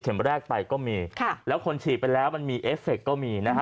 เข็มแรกไปก็มีแล้วคนฉีดไปแล้วมันมีเอฟเฟกต์ก็มีนะฮะ